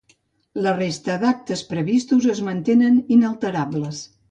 La resta d’actes previstos es mantenen inalterables.